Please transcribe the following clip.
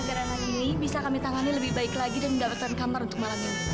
agar anak ini bisa kami tangani lebih baik lagi dan mendapatkan kamar untuk malam ini